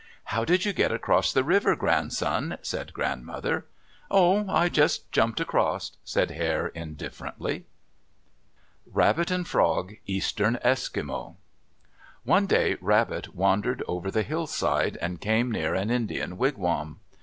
"How did you get across the river, Grandson?" asked Grandmother. "Oh, I just jumped across," said Hare indifferently. RABBIT AND FROG Eastern Eskimo One day Rabbit wandered over the hillside, and came near an Indian wigwam.